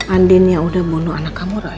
andin yang udah bunuh anak kamu roy